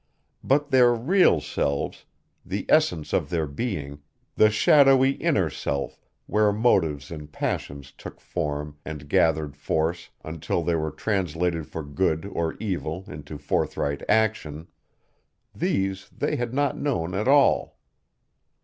But their real selves, the essence of their being, the shadowy inner self where motives and passions took form and gathered force until they were translated for good or evil into forthright action, these they had not known at all.